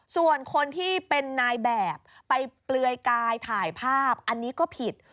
ส่วนคนที่เป็นนายแบบไปเปลือยกายถ่ายภาพอันนี้ก็ผิด